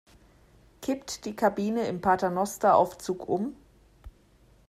Kippt die Kabine im Paternosteraufzug um?